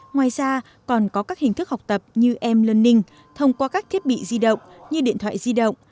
ngoài ra còn có các hình thức học tập như em learning thông qua các thiết bị di động như điện thoại di động